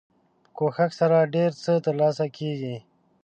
په کوښښ سره ډیر څه تر لاسه کیږي.